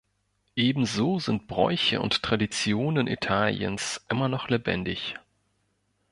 Ebenso sind Bräuche und Traditionen Italiens immer noch lebendig.